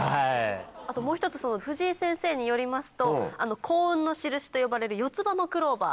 あともう一つ藤井先生によりますと幸運の印と呼ばれる四つ葉のクローバー。